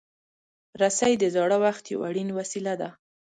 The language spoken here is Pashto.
رسۍ د زاړه وخت یو اړین وسیله ده.